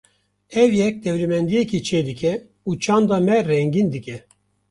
Ev yek dewlemendiyekê çêdike û çanda me rengîn dike.